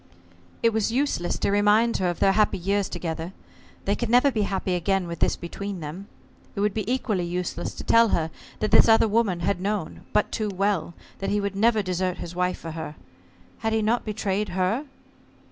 It was useless to remind her of their happy years together. They could never be happy again with this between them. It would be equally useless to tell her that this other woman had known, but too well, that he would never desert his wife for her. Had he not betrayed her?